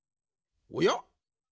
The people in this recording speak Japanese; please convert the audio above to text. おや？